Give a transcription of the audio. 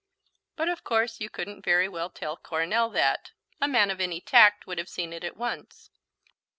But of course you couldn't very well tell Coronel that. A man of any tact would have seen it at once.